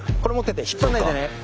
引っ張んないでね。